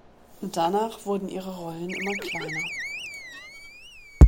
Danach wurden ihre Rollen immer kleiner.